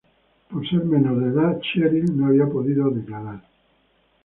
Por ser menor de edad Cheryl no había podido declarar.